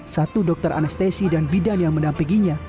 satu dokter anestesi dan bidan yang menampinginya